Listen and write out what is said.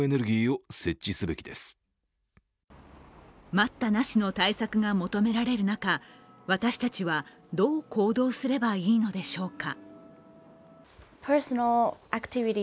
待ったなしの対策が求められる中、私たちはどう行動すればいいのでしょうか。